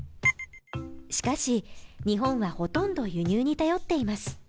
しかし、日本はほとんど輸入に頼っています。